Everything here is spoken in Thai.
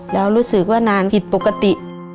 แล้วรู้สึกว่านานผิดปกติ